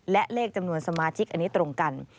และเลขจำนวนสมาชิกอันนี้ตรงกัน